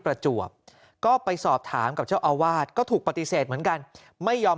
ประจวบก็ไปสอบถามกับเจ้าอาวาสก็ถูกปฏิเสธเหมือนกันไม่ยอม